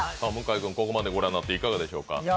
向井君、ここまで御覧になっていかがでしょうか。